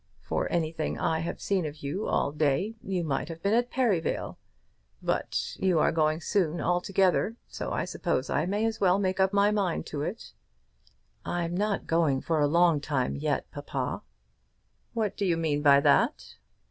For anything I have seen of you all day you might have been at Perivale. But you are going soon, altogether, so I suppose I may as well make up my mind to it." "I'm not going for a long time yet, papa." "What do you mean by that?"